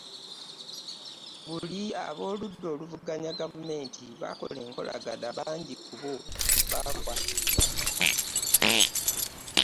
Buli abokuludda oluvuganya gavumenti bakola enkungana bangi ku bo bakwatibwa.